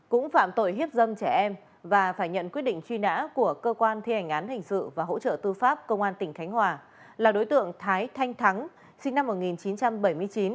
cũng phạm tội hiếp dâm trẻ em và phải nhận quyết định truy nã của cơ quan thi hành án hình sự và hỗ trợ tư pháp công an tỉnh khánh hòa là đối tượng thái thanh thắng sinh năm một nghìn chín trăm bảy mươi chín